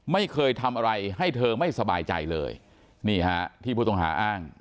ไม่เคยทำอะไรให้เธอไม่สบายใจเลยนี่ฮะที่ผู้ต้องหาอ้าง